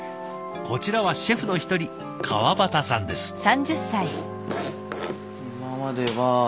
こちらはシェフの一人川端さんです。